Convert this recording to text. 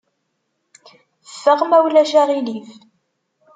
Ffeɣ, ma ulac aɣilif.